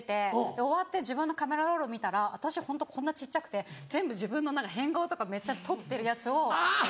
終わって自分のカメラロール見たら私ホントこんな小っちゃくて全部自分の変顔とかめっちゃ撮ってるやつを。